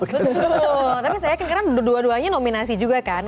tapi saya yakin karena dua duanya nominasi juga kan